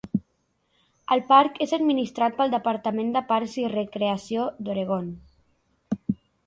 El parc és administrat pel Departament de Parcs i Recreació d'Oregon.